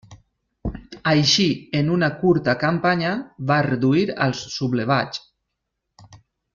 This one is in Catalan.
Així, en una curta campanya, va reduir als sublevats.